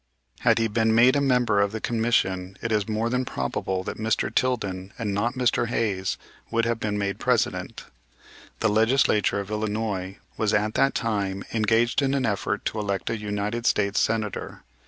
Had he been made a member of the commission it is more than probable that Mr. Tilden, and not Mr. Hayes, would have been made President. The Legislature of Illinois was at that time engaged in an effort to elect a United States Senator.